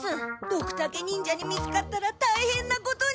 ドクタケ忍者に見つかったらたいへんなことに。